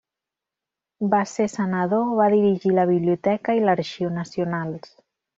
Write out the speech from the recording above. Va ser Senador, va dirigir la Biblioteca i l'Arxiu nacionals.